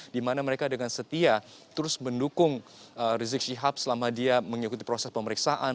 dimana mereka dengan setia terus mendukung rizik kecilap selama dia mengikuti proses pemeriksaan